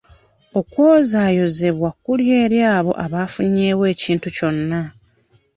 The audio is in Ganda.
Okwozaayozebwa kuli eri abo abafunyeewo ekintu kyonna.